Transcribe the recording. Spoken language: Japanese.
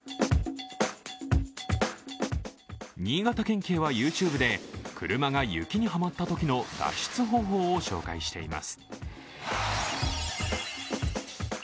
新潟県警はＹｏｕＴｕｂｅで、車が雪にはまったときの脱出方法を紹介しています。